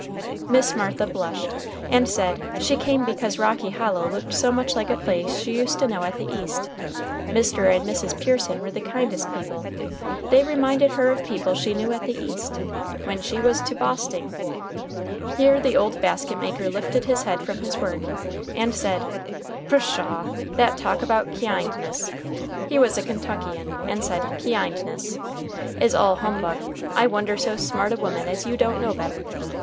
Miss Martha blushed, and said "she came because Rocky Hollow looked so much like a place she used to know at the East. Mr. and Mrs. Pearson were the kindest people. They reminded her of people she knew at the East. When she was to Bosting " Here the old basket maker lifted his head from his work, and said: "Pshaw! that talk about kyindness" (he was a Kentuckian and said kyindness) "is all humbug. I wonder so smart a woman as you don't know better.